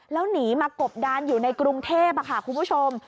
แล้วหนีมากบดานอยู่ในกรุงเทพค่ะคุณผู้ชม